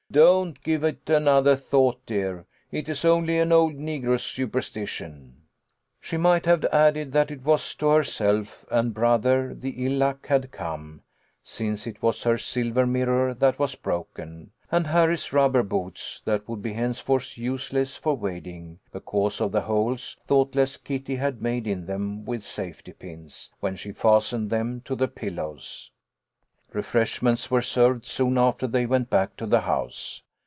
"Don't give it another thought, dear, it is only an old negro superstition." 1 62 THE LITTLE COLONEL'S HOLIDAYS. She might have added that it was to herself and brother the ill luck had come, since it was her silver mirror that was broken, and Harry's rubber boots that would be henceforth useless for wading because of the holes thoughtless Kitty had made in them with safety pins, when she fastened them to the pillows. Refreshments were served soon after they went back to the house.